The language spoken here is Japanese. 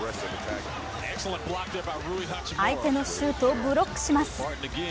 相手のシュートをブロックします。